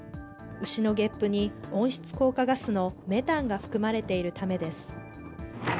牛のゲップに温室効果ガスのメタンが含まれているためです。